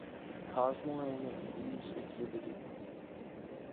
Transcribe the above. "Cosmoramic Views Exhibited"